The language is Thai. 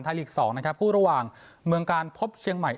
ไทยรีกส์สองนะครับผู้ระหว่างเมืองการพบเชียงใหม่